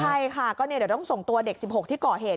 ใช่ค่ะก็เดี๋ยวต้องส่งตัวเด็ก๑๖ที่ก่อเหตุ